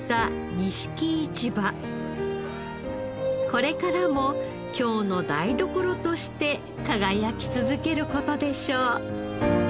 これからも京の台所として輝き続ける事でしょう。